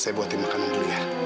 saya buatin makanan dulu ya